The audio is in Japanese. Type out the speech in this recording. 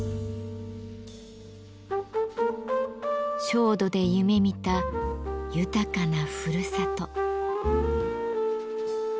焦土で夢みた豊かなふるさと。